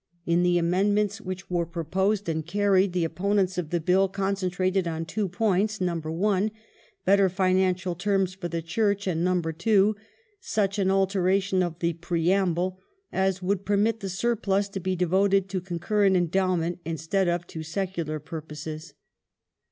In the amendments which they proposed and carried the opponents of the Bill concentrated on two points : (1) better financial terms for the Church, and (2) such an alteration of the preamble as would permit the surplus to be devoted to con current endowment instead of to secular purposes.